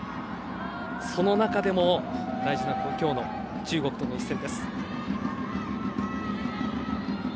その中でも大事な今日の中国との一戦です。